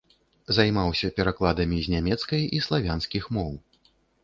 Займаўся перакладамі з нямецкай і славянскіх моў.